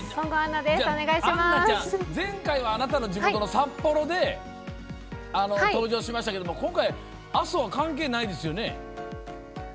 杏奈ちゃん、前回はあなたの地元の札幌で登場しましたけど今回、阿蘇は関係ないですよね。